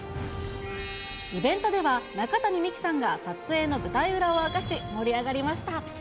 イベントでは、中谷美紀さんが撮影の舞台裏を明かし、盛り上がりました。